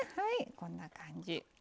こんな感じ。